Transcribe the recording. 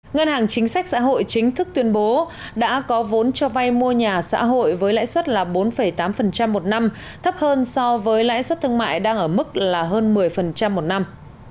ngân hàng chính sách xã hội chính thức tuyên bố đã có vốn cho vay mua nhà xã hội với lãi suất là bốn tám một năm thấp hơn so với lãi suất thương mại đang ở mức là hơn một mươi một năm